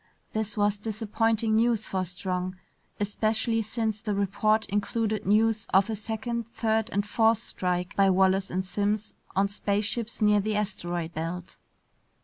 This was disappointing news for Strong, especially since the report included news of a second, third, and fourth strike by Wallace and Simms on spaceships near the asteroid belt.